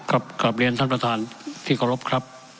กลับเรียนท่านประธานที่เคารพครับ